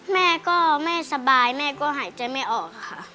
แม่ก็แม่สบายแม่ก็หายใจไม่ออกค่ะ